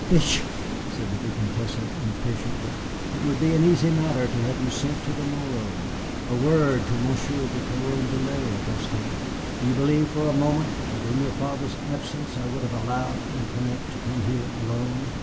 "Pish!" said the Vicomtesse, impatiently, "it would be an easy matter to have you sent to the Morro a word to Monsieur de Carondelet, Auguste. Do you believe for a moment that, in your father's absence, I would have allowed Antoinette to come here alone?